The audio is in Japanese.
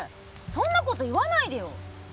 そんなこと言わないでよ！